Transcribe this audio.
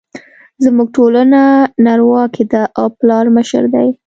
زموږ ټولنه نرواکې ده او پلار مشر دی